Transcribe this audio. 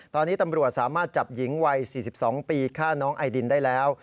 ตอนนี้ตำรวจสามารถจับหญิงวัย๔๒ปีฆ่าน้องไอดินได้แล้ว